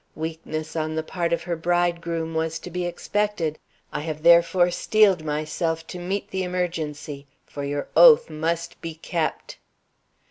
Weakness on the part of her bridegroom was to be expected; I have, therefore, steeled myself to meet the emergency; for your oath must be kept!"